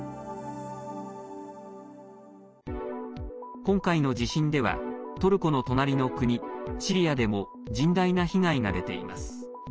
今回の地震ではトルコの隣の国シリアでも甚大な被害が出ています。